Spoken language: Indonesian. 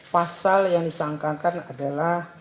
pasal yang disangkakan adalah